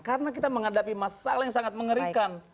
karena kita menghadapi masalah yang sangat mengerikan